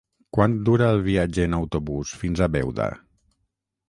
Quant dura el viatge en autobús fins a Beuda?